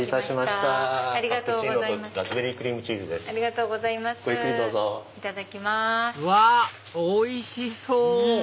うわおいしそう！